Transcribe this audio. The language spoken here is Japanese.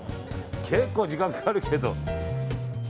結構、時間かかるけど。